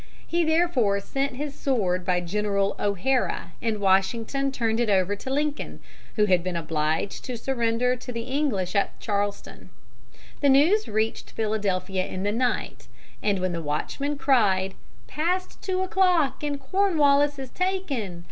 He therefore sent his sword by General O'Hara, and Washington turned it over to Lincoln, who had been obliged to surrender to the English at Charleston. [Illustration: CORNWALLIS SENDING HIS SWORD BY GENERAL O'HARA.] The news reached Philadelphia in the night, and when the watchman cried, "Past two o'clock, and Cornwallis is taken!"